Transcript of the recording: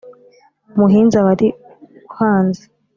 umuhinza wari uhanze